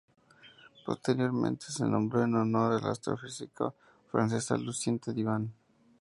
Posteriormente se nombró en honor de la astrofísica francesa Lucienne Divan.